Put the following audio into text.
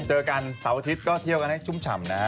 เจอกันเสาร์อาทิตย์ก็เที่ยวกันให้ชุ่มฉ่ำนะฮะ